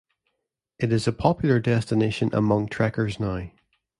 It is a popular destination among trekkers now.